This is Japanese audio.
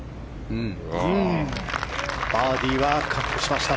バーディーは確保しました。